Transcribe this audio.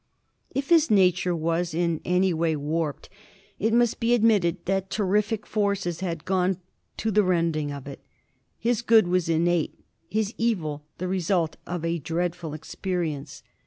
If his nature was in any way warped, it must be admitted that terrific forces had gone to the rending of it. His good was innate, his evil the result of a dreadful experience.